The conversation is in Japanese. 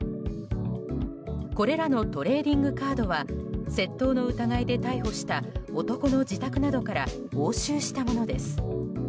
これらのトレーディングカードは窃盗の疑いで逮捕した男の自宅などから押収したものです。